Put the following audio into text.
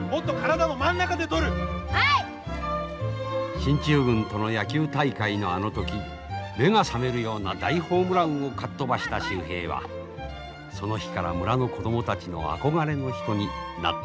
進駐軍との野球大会のあの時目が覚めるような大ホームランをかっ飛ばした秀平はその日から村の子供たちの憧れの人になっていたのであります。